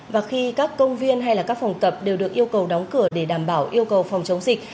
và khi các công viên hay các phòng tập đều được yêu cầu đóng cửa để đảm bảo yêu cầu phòng chống dịch